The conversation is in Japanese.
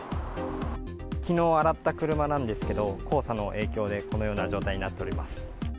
きのう洗った車なんですけど、黄砂の影響でこのような状態になっております。